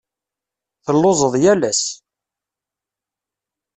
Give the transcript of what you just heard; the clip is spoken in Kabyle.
Telluẓeḍ yal ass.